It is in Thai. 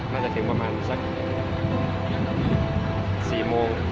น่าจะถึงประมาณสัก๔โมง